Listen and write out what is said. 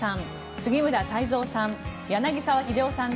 杉村太蔵さん